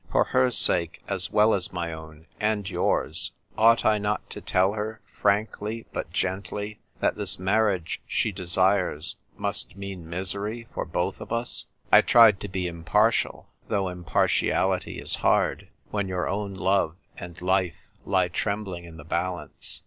For her sake, as well as my own and yours, ought I not to tell her, frankly but gently, that this marriage she desires must mean misery for both of us ?" I tried to be impartial, though impartiality is hard when your own love and life lie trembling in the balance.